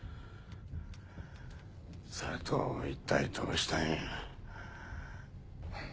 佐藤を一体どうしたいんや？